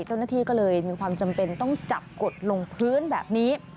เจ้าหน้าที่ก็เลยมีความจำเป็นต้องจับกดลงพื้นแบบนี้